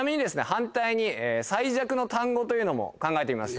反対に最弱の単語というのも考えてみました